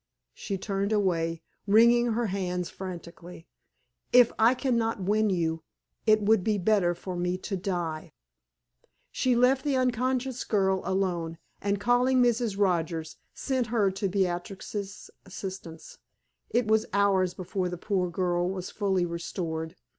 She turned away, wringing her hands frantically. "If I can not win you, it would be better for me to die!" She left the unconscious girl alone, and calling Mrs. Rogers, sent her to Beatrix's assistance. It was hours before the poor girl was fully restored.